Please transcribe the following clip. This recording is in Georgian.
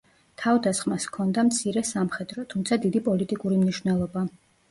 თავდასხმას ჰქონდა მცირე სამხედრო, თუმცა დიდი პოლიტიკური მნიშვნელობა.